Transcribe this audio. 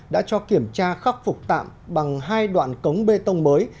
đã cho kiểm tra khắc phục tạm bằng hai đoạn cống bê tông mới